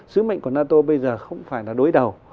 sứ mệnh của nato bây giờ không phải là đối đầu